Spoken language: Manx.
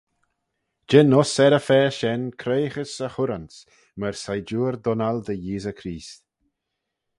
Jean uss er-y-fa shen creoghys y hurranse, myr sidoor dunnal dy Yeesey Creest.